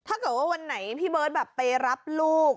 ถ้าเกิดว่าวันไหนพี่เบิร์ตแบบไปรับลูก